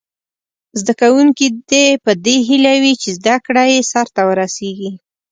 زده کوونکي په دې هیله وي چې زده کړه یې سرته ورسیږي.